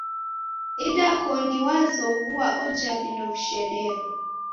Idakoni wazoghue oja vindo vishedero.